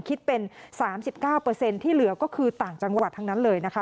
คิดเป็น๓๙ที่เหลือก็คือต่างจังหวัดทั้งนั้นเลยนะคะ